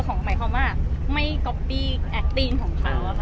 พวยพี่ไหมด้วยนางไปน้อยฟังพี่นองกัน